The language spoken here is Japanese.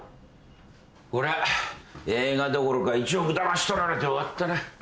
こりゃ映画どころか１億だまし取られて終わったな。